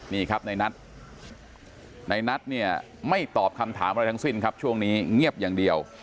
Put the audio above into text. นี่ครับในนัทในนัทเนี่ยไม่ตอบคำถามอะไรทั้งสิ้นครับช่วงนี้เงียบอย่างเดียว